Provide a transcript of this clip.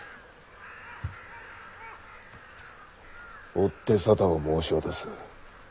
おって沙汰を申し渡す。